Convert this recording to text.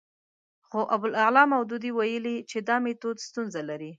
خو ابوالاعلی مودودي ویلي چې دا میتود ستونزه لري.